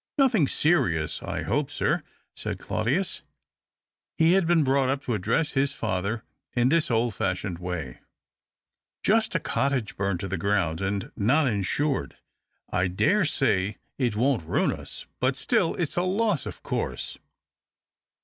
" Nothing serious, I hope, sir," said Claudius. He had been brought up to address his father in this old fashioned way. " Just a cottage — burned to the ground, and not insured. I dare say it won't ruin us, but still it's a loss, of course."